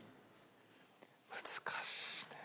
難しいね。